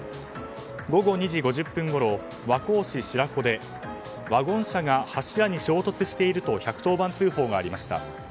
午後２時５０分ごろ和光市白子でワゴン車が柱に衝突していると１１０番通報がありました。